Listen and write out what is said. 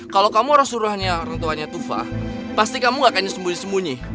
kalau kamu orang suruhan orang tuanya tufa pasti kamu nggak akan sembunyi sembunyi